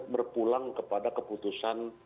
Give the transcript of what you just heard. berpulang kepada keputusan